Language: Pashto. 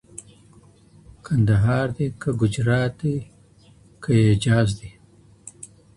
کندهار دی، که کجرات دی، که اعجاز دی